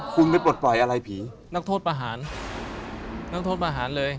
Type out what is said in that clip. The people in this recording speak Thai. คุณไปปลดปล่อยอะไรผีนักโทษประหารนักโทษประหารเลย